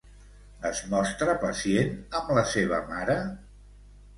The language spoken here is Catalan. Es mostra pacient amb la seva mare?